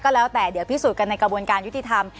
แล้วแต่เดี๋ยวพิสูจน์กันในกระบวนการยุติธรรม